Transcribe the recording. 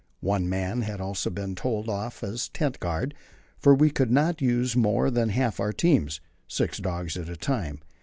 One man had also to be told off as tent guard, for we could not use more than half our teams six dogs at a time.